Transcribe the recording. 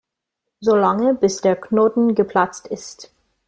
So lange, bis der Knoten geplatzt ist.